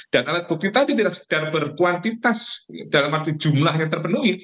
dan alat bukti tadi tidak sekedar berkuantitas dalam arti jumlah yang terpenuhi